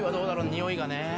においがね。